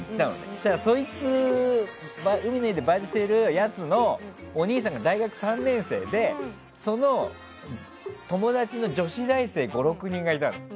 そしたら、そいつ海の家でバイトしてるやつのお兄さんが大学３年生でその友達の女子大生５６人がいたの。